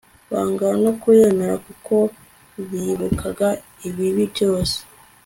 banga no kuyemera kuko bibukaga ibibi byose